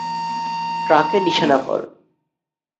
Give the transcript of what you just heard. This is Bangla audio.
ট্রাকে নিশানা কর!